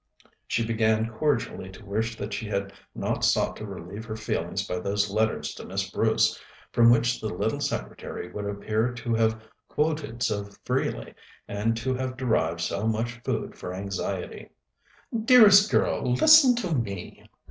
She began cordially to wish that she had not sought to relieve her feelings by those letters to Miss Bruce, from which the little secretary would appear to have quoted so freely, and to have derived so much food for anxiety. "Dearest girl, listen to me!"